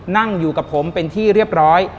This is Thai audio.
นั่งอยู่กับผมเป็นที่เรียบร้อย